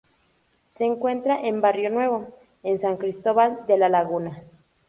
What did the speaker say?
Se encuentra en Barrio Nuevo, en San Cristóbal de La Laguna.